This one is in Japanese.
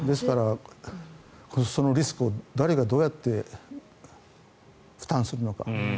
そのリスクを誰がどうやって負担するのか。